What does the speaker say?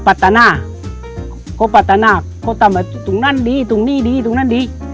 ปัตนนาน